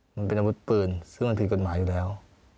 มันเป็นอาวุธปืนซึ่งมันผิดกฎหมายอยู่แล้ว